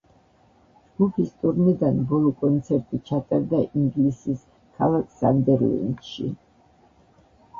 ჯგუფის ტურნედან ბოლო კონცერტი ჩატარდა ინგლისის ქალაქ სანდერლენდში.